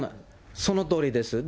そのとおりです。